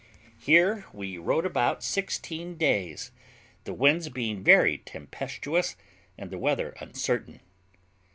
Here we rode about sixteen days, the winds being very tempestuous and the weather uncertain.